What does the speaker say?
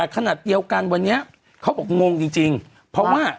เขาบอกว่างงจริงเพราะว่า